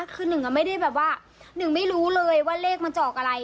คือหนึ่งไม่ได้แบบว่าหนึ่งไม่รู้เลยว่าเลขมันจอกอะไร